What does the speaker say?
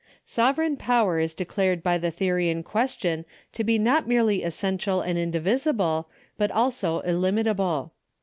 Sovereign power is declared by the theony in question to be not merely essential and indivisible, but also iUimitable.